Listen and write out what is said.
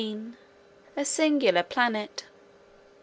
A Singular Planet.